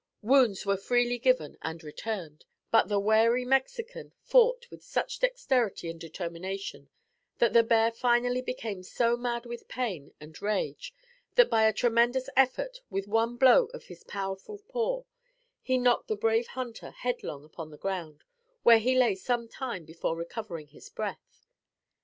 Wounds were freely given and returned; but, the wary Mexican fought with such dexterity and determination, that the bear finally became so mad with pain and rage that by a tremendous effort, with one blow of his powerful paw, he knocked the brave hunter headlong upon the ground, where he lay some time before recovering his breath.